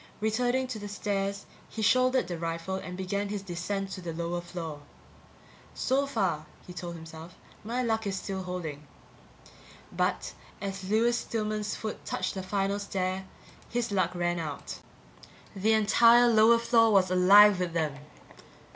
Returning to the stairs, he shouldered the rifle and began his descent to the lower floor. So far, he told himself, my luck is still holding. But as Lewis Stillman's foot touched the final stair, his luck ran out. The entire lower floor was alive with them!